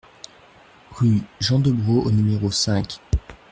Rue Jean Debrot au numéro cinq